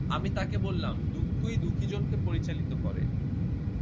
আমি তাকে বললাম, দুঃখই দুঃখীজনকে পরিচালিত করে।